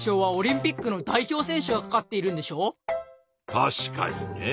確かにねぇ。